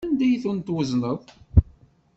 Anda ay ten-twezneḍ?